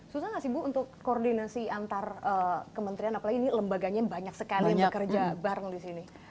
susah nggak sih bu untuk koordinasi antar kementerian apalagi ini lembaganya banyak sekali yang bekerja bareng di sini